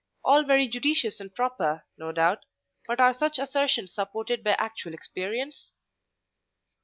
All very judicious and proper, no doubt; but are such assertions supported by actual experience?